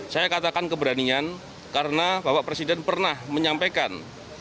saya katakan keberanian karena bapak presiden pernah menyampaikan